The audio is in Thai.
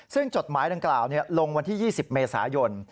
ซึ่งจดหมายดังกล่าวลงวันที่๒๐เมษายน